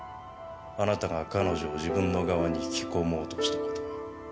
あなたが彼女を自分の側に引き込もうとした事は。